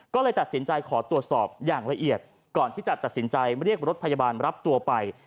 ก็เลยตัดสินใจขอตรวจสอบอย่างละเอียดก่อนที่จะตัดสินใจเรียกรถพยาบาลรับตัวไป